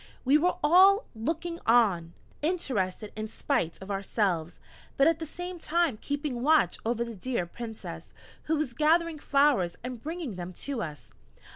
We were all looking on, interested in spite of ourselves, but at the same time keeping watch over the dear Princess, who was gathering flowers and bringing them to us.